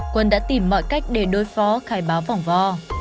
quân đã tìm mọi cách để đối phó khai báo vỏng vò